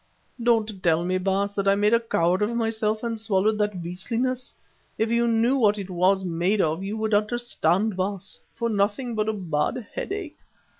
Don't tell me, Baas, that I made a coward of myself and swallowed that beastliness if you knew what it was made of you would understand, Baas for nothing but a bad headache.